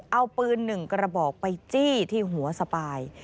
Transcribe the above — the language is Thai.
เอาปืน๑กระบอกไปจี้ที่หัวสปาย